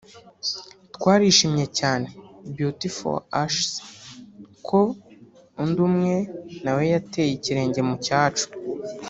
Twarishimye cyane (Beauty For Ashes) ko undi umwe nawe yateye ikirenge mu cyacu